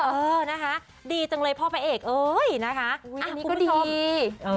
เออนะคะดีจังเลยพ่อแผนเอกเอ๊ยนะคะคุณผู้ชมอุ๊ยอันนี้ก็ดี